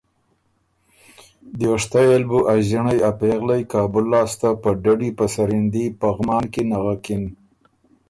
دیوشتئ ال بُو ا ݫِنړئ ا پېغلئ کابل لاسته په ډډی په سرندي پغمان کی نغکِن